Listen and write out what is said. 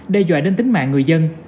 đe dọa đến tính mạng người dân